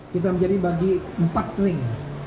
kita menjadi bagi empat kering